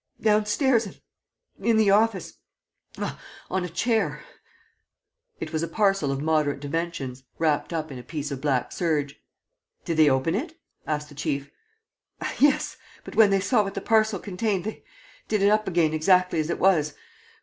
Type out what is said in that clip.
. downstairs ... in the office ... on a chair. ..." It was a parcel of moderate dimensions, wrapped up in a piece of black serge. "Did they open it?" asked the chief. "Yes, but when they saw what the parcel contained, they did it up again exactly as it was